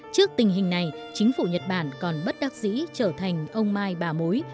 trước tình hình này chính phủ nhật bản còn bất đắc dĩ trở thành ông mai bà mối